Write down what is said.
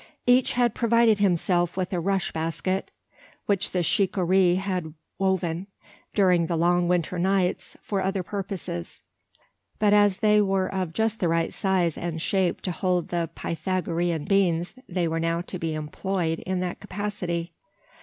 Each had provided himself with a rush basket which the shikaree had woven, during the long winter nights, for other purposes; but as they were of just the size and shape to hold the Pythagorean beans they were now to be employed in that capacity.